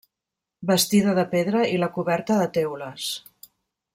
Bastida de pedra i la coberta de teules.